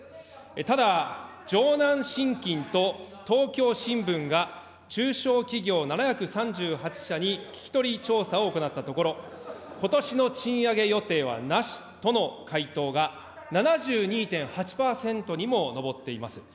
ただ城南信金と東京新聞が、中小企業７３８社に聞き取り調査を行ったところ、ことしの賃上げ予定はなしとの回答が７２．８％にも上っています。